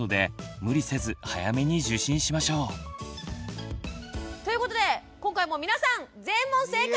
無理せず早めに受診しましょう。ということで今回も皆さん全問正解！